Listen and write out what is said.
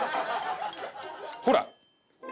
ほら。